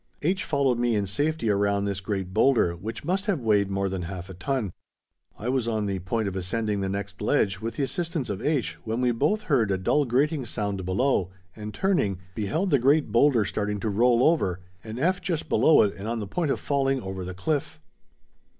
H. followed me in safety around this great boulder which must have weighed more than half a ton. I was on the point of ascending the next ledge with the assistance of H. when we both heard a dull grating sound below, and turning, beheld the great boulder starting to roll over, and F. just below it and on the point of falling over the cliff.